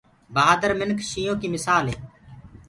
بهآدرآ مِنک شيِنهو ڪي مِسآل هي۔